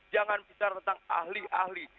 jangan bicara tentang ahli ahli